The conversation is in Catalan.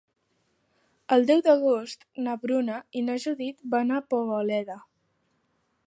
El deu d'agost na Bruna i na Judit van a Poboleda.